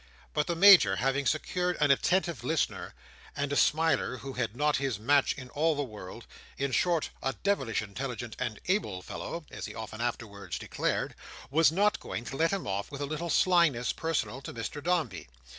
But the Major, having secured an attentive listener, and a smiler who had not his match in all the world—"in short, a devilish intelligent and able fellow," as he often afterwards declared—was not going to let him off with a little slyness personal to Mr Dombey.